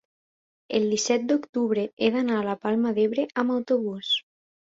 el disset d'octubre he d'anar a la Palma d'Ebre amb autobús.